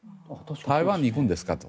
台湾に行くんですかと。